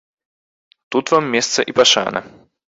Тут вам месца і пашана.